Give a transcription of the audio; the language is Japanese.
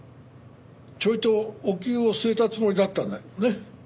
ちょいとお灸を据えたつもりだったんだけどね。